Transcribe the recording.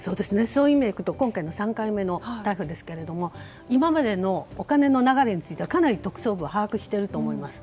そういう意味でいくと今回で３回目の逮捕ですけど今までのお金の流れについてはかなり特捜部は把握していると思います。